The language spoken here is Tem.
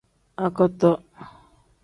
Akoto.